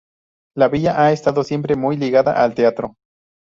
La villa ha estado siempre muy ligada al teatro.